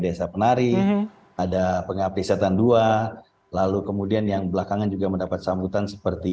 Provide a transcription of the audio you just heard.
desa penari ada pengapli setan dua lalu kemudian yang belakangan juga mendapat sambutan seperti